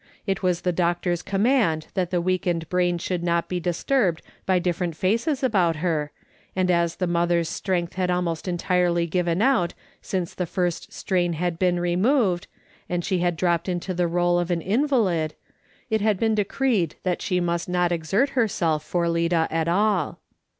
It was the doctor's command that the weakened brain should not be disturbed by different faces about her, and as the mother's strength had almost entirely given out since the first strain had been removed, and she had dropped into the role of an invalid, it had been de creed that she must not exert herself for Lida at all.